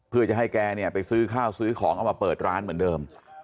เพื่อจะให้แกเนี่ยไปซื้อข้าวซื้อของเอามาเปิดร้านเหมือนเดิม